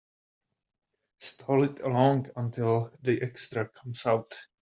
Stall it along until the extra comes out.